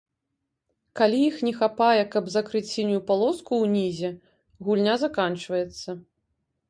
Калі іх не хапае, каб закрыць сінюю палоску ўнізе, гульня заканчваецца.